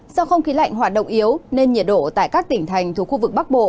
do không khí lạnh hoạt động yếu nên nhiệt độ tại các tỉnh thành thuộc khu vực bắc bộ